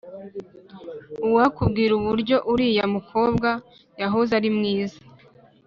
Uwakubwira uburyo uriya mukobwa yahoze ari mwiza